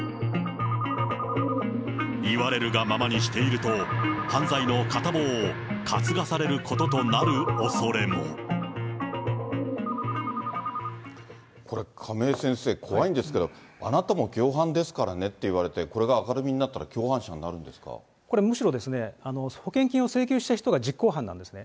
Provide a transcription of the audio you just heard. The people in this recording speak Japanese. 言われるがままにしていると、犯罪の片棒を担がされることになこれ、亀井先生、怖いんですけど、あなたも共犯ですからねって言われて、これが明るみになっこれ、むしろ、保険金を請求した人が実行犯なんですね。